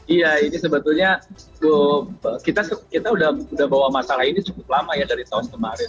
iya ini sebetulnya kita sudah bawa masalah ini cukup lama ya dari tahun kemarin